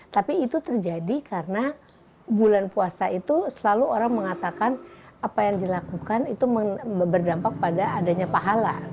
tapi itu terjadi karena bulan puasa itu selalu orang mengatakan apa yang dilakukan itu berdampak pada adanya pahala